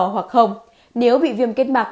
hoặc hồng nếu bị viêm kết mạc